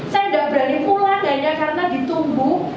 saya tidak berani pulang hanya karena ditumbuh